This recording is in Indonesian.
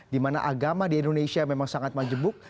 dimana agama di indonesia memang sangat menjebuk